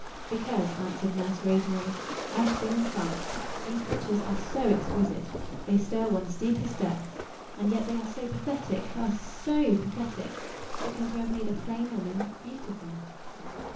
"Because," answered Nurse Rosemary, "I have been entranced. These pictures are so exquisite. They stir one's deepest depths. And yet they are so pathetic ah, SO pathetic; because you have made a plain woman, beautiful."